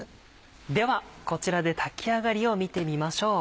ではこちらで炊き上がりを見てみましょう。